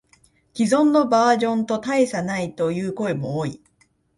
既存のバージョンと大差ないという声も多い